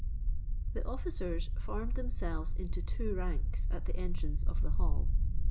The officers formed themselves into two ranks at the entrance of the hall.